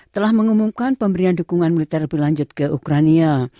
telah mengumumkan pemberian dukungan militer lebih lanjut ke ukrania